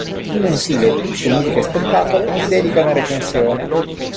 Il mensile "Tutto musica e spettacolo" gli dedica una recensione.